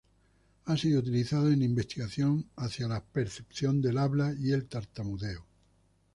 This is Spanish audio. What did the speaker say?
Ha sido utilizado en investigación hacia percepción del habla y tartamudeo.